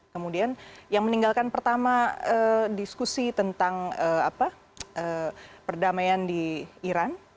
kemudian yang meninggalkan pertama diskusi tentang perdamaian di iran